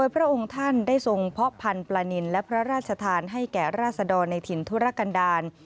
พระองค์ท่านได้ทรงเพาะพันธุ์ปลานินและพระราชทานให้แก่ราศดรในถิ่นธุรกันดาล